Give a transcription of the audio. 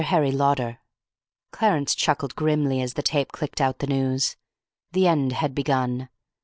HARRY LAUDER Clarence chuckled grimly as the tape clicked out the news. The end had begun.